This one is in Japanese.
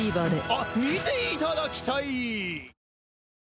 あっ見ていただきたい！